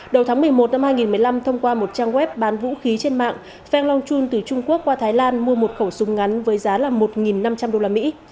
đầu tháng một mươi một năm hai nghìn một mươi năm thông qua một trang web bán vũ khí trên mạng pheng long chun từ trung quốc qua thái lan mua một khẩu súng ngắn với giá một năm trăm linh đô la mỹ